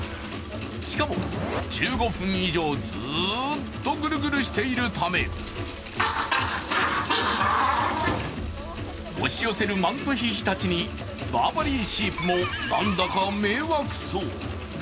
しかも１５分以上、ずーっとぐるぐるしているため押し寄せるマントヒヒたちにバーバリーシープもなんだか迷惑そう。